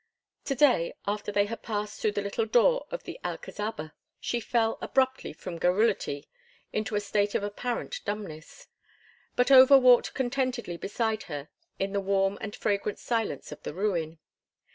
To day, after they had passed through the little door of the Alcazaba, she fell abruptly from garrulity into a state of apparent dumbness; but Over walked contentedly beside her in the warm and fragrant silence of the ruin.